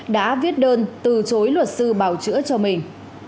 đã viết đơn từ chối luật sư bảo chữa cho mình